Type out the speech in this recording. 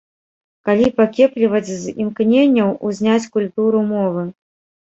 Калі пакепліваць з імкненняў узняць культуру мовы.